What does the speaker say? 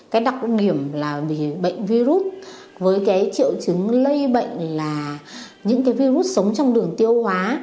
cái đặc điểm là vì bệnh virus với cái triệu chứng lây bệnh là những cái virus sống trong đường tiêu hóa